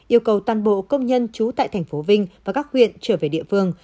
yêu cầu toàn bộ công nhân trú tại thành phố vinh và các huyện trở về địa phương